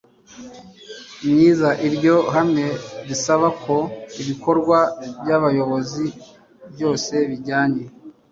myiza. iryo hame risaba ko ibikorwa by'abayobozi byose bijyanye